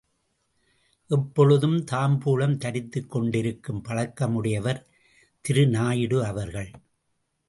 எப்பொழுதும் தாம்பூலம் தரித்துக் கொண்டிருக்கும் பழக்கமுடையவர் திருநாயுடு அவர்கள்.